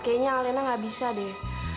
kayaknya alena gak bisa deh